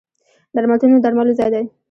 درملتون د درملو ځای دی.